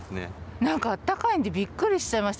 なんかあったかいんでびっくりしちゃいました。